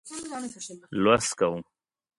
لوست کوم.